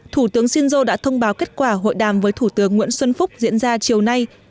thủ tướng shinzo đã thông báo kết quả hội đàm với thủ tướng nguyễn xuân phúc diễn ra chiều nay